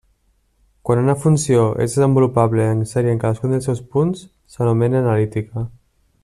Quan una funció és desenvolupable en sèrie en cadascun dels seus punts, s'anomena analítica.